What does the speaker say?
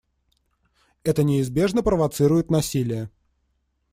Это неизбежно провоцирует насилие.